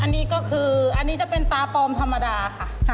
อันนี้ก็คืออันนี้จะเป็นปลาปลอมธรรมดาค่ะ